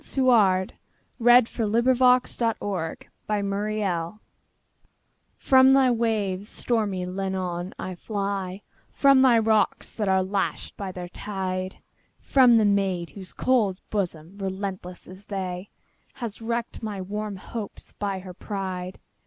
Wales: Llannon Song By Anna Seward (1747–1809) FROM thy waves, stormy Llannon, I fly; From thy rocks, that are lashed by their tide; From the maid whose cold bosom, relentless as they, Has wrecked my warm hopes by her pride!